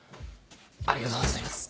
ありがとうございます。